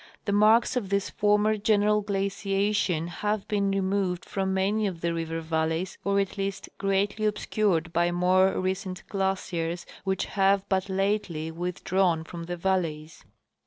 The marks of this former general giaciation have been removed from many of the river valleys, or at least greatly obscured by more recent glaciers which have but lately with drawn from the valleys.